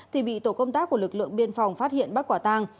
thì bị tổ công tác của lực lượng biên phòng phát hiện bắt quả tang